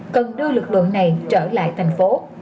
cần đưa lực lượng này trở lại thành phố